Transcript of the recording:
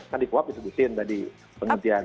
kan di co op disebutin tadi penghentian